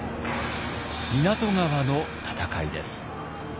湊川の戦いです。